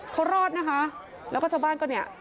เขารอดนะคะแล้วก็ชาวบ้านก็เนี่ย